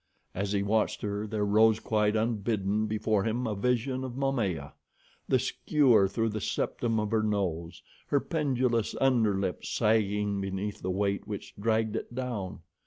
As he watched her, there rose quite unbidden before him a vision of Momaya, the skewer through the septum of her nose, her pendulous under lip sagging beneath the weight which dragged it down.